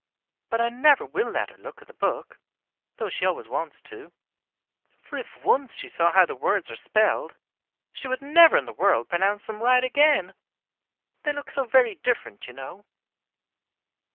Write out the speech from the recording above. But I never will let her look at the book, though she always wants to; for if once she saw how the words are spelled, she would never in the world pronounce them right again. They look so very different, you know."